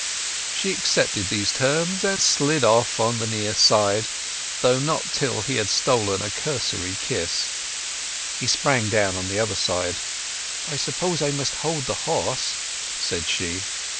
She accepted these terms, and slid off on the near side, though not till he had stolen a cursory kiss. He sprang down on the other side. "I suppose I must hold the horse?" said she.